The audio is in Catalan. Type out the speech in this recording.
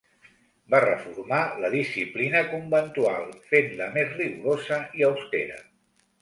Va reformar la disciplina conventual fent-la més rigorosa i austera.